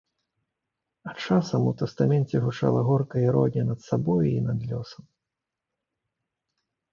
А часам у тастаменце гучала горкая іронія над сабой і над лёсам.